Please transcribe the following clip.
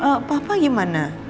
terus papa gimana